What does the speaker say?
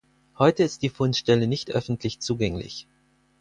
Heute ist die Fundstelle nicht öffentlich zugänglich.